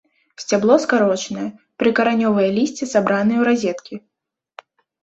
Сцябло скарочанае, прыкаранёвае лісце сабранае ў разеткі.